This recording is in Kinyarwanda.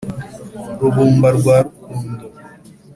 rubumba rwa rukundo,